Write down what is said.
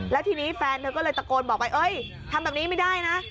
แล้วทีนี้แฟนเธอก็เลยตะโกนบอกไปเอ้ยทำแบบนี้ไม่ได้นะ